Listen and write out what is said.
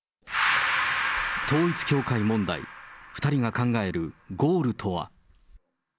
統一教会問題、２人が考えるゴールとは。